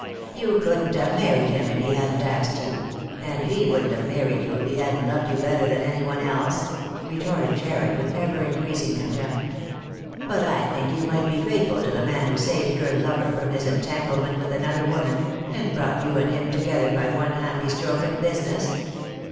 " You couldn't have married him if he hadn't asked you, and he wouldn't have married you if he hadn't loved you better than any one else," retorted Jarred, with ever increasing con tempt. " But I think you might be grateful to the man who saved your lover from his entanglement with another woman, and brought you and him together, by one happy stroke of business.